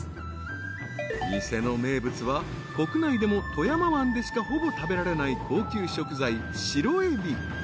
［店の名物は国内でも富山湾でしかほぼ食べられない高級食材白えび］